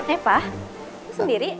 eh pak lo sendiri